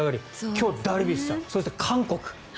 今日、ダルビッシュさんそして韓国。